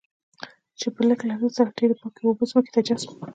چې په لږ لګښت سره ډېرې پاکې اوبه ځمکې ته جذب.